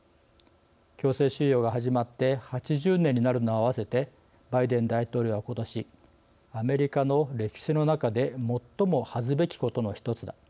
強制収容が始まって８０年になるのに合わせてバイデン大統領はことし「アメリカの歴史の中で最も恥ずべきことのひとつだ。